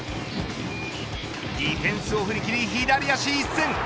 ディフェンスを振り切り左足一閃。